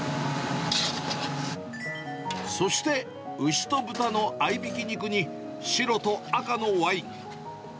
そして、牛と豚の合いびき肉に、白と赤のワイン。